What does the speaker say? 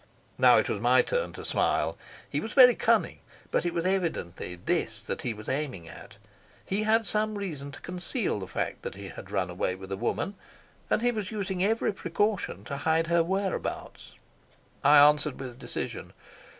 Now it was my turn to smile. He was very cunning, but it was evidently this that he was aiming at. He had some reason to conceal the fact that he had run away with a woman, and he was using every precaution to hide her whereabouts. I answered with decision.